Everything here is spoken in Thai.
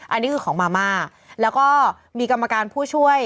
อันนี้คือของมาม่าแล้วก็มีกรรมการผู้ช่วย